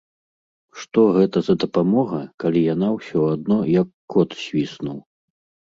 Што гэта за дапамога, калі яна ўсё адно як кот свіснуў.